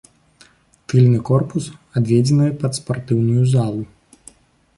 Тыльны корпус адведзены пад спартыўную залу.